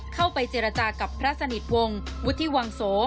เข้าไปเจรจากับพระสนิทวงศ์วุฒิวังโส